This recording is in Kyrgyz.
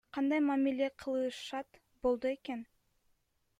Кандай мамиле кылышат болду экен?